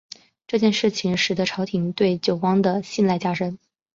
这件事情使得朝廷对久光的信赖加深。